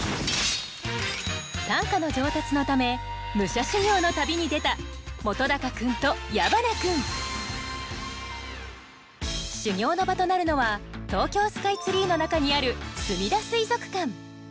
短歌の上達のため武者修行の旅に出た本君と矢花君修行の場となるのは東京スカイツリーの中にあるすみだ水族館。